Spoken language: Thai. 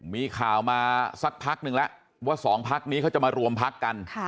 มีข่าวมาสักพักนึงแล้วว่าสองพักนี้เขาจะมารวมพักกัน